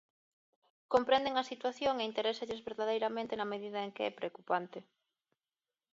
Comprenden a situación e interésalles verdadeiramente na medida en que é preocupante.